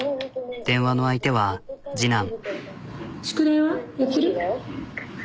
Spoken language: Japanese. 電話の相手は次男。